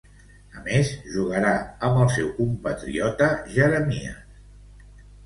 A més, jugarà amb el seu compatriota Jeremías Bogado.